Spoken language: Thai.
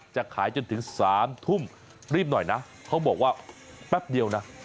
จะขายจนถึง๓ทุ่มรีบหน่อยนะเขาบอกว่าแป๊บเดียวนะ